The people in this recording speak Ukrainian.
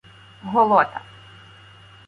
Голота.